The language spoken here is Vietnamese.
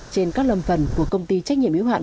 trên các lâm phần của công ty trách nhiệm yếu hạn